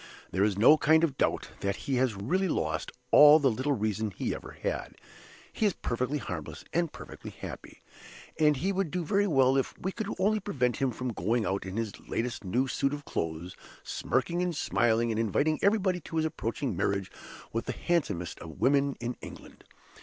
There is no kind of doubt that he has really lost all the little reason he ever had. He is perfectly harmless, and perfectly happy. And he would do very well if we could only prevent him from going out in his last new suit of clothes, smirking and smiling and inviting everybody to his approaching marriage with the handsomest woman in England.